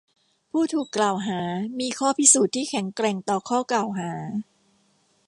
ผู้ถูกกล่าวหามีข้อพิสูจน์ที่แข็งแกร่งต่อข้อกล่าวหา